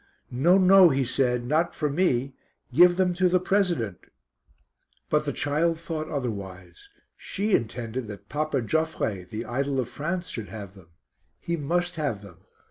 "No, no," he said, "not for me, give them to the President." But the child thought otherwise. She intended that Papa Joffre, the idol of France, should have them. He must have them.